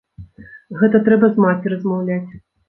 Гэта трэба з маці размаўляць.